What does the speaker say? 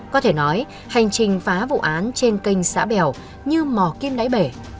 có thể nói hành trình phá vụ án trên kênh xã bèo như mò kim đáy bể